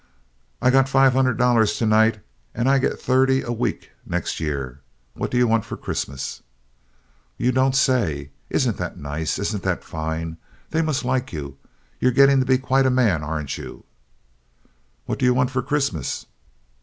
"I got five hundred dollars to night, and I get thirty a week next year. What do you want for Christmas?" "You don't say! Isn't that nice! Isn't that fine! They must like you. You're getting to be quite a man, aren't you?" "What do you want for Christmas?"